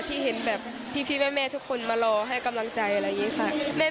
ที่เห็นแบบพี่แม่ทุกคนมารอให้กำลังใจอะไรอย่างนี้ค่ะ